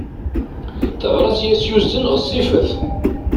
Tabrat i as-yuzen ɣezzifet.